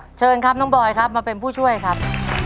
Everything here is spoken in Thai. เชิญครับน้องบอยครับมาเป็นผู้ช่วยครับ